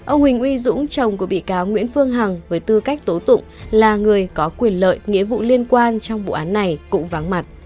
ông huỳnh uy dũng chồng của bị cáo nguyễn phương hằng với tư cách tố tụng là người có quyền lợi nghĩa vụ liên quan trong vụ án này cũng vắng mặt